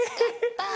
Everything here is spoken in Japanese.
ああ！